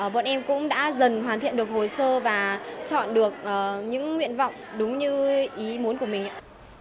bọn em cũng đã dần hoàn thiện được hồ sơ và chọn được những nguyện vọng đúng như ý muốn của mình